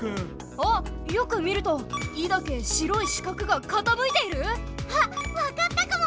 あっよく見ると「イ」だけ白い四角がかたむいている⁉あっわかったかも！